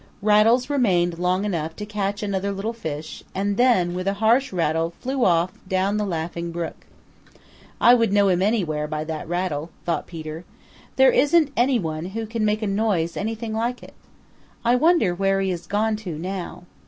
Rattles remained long enough to catch another little fish, and then with a harsh rattle flew off down the Laughing Brook. "I would know him anywhere by that rattle," thought Peter. "There isn't any one who can make a noise anything like it. I wonder where he has gone to now.